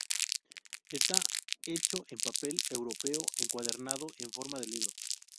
Está hecho en papel europeo encuadernado en forma de libro.